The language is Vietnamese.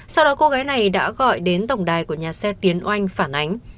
sau đó cô gái này đã gọi đến tổng đài của nhà xe tiến oanh phản ánh